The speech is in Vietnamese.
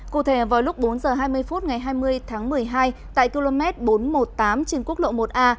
cụ thể vào lúc bốn h hai mươi phút ngày hai mươi tháng một mươi hai tại km bốn trăm một mươi tám trên quốc lộ một a